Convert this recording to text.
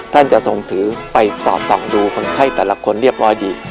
ท่านจะส่งถือไปสอดส่องดูคนไข้แต่ละคนเรียบร้อยดี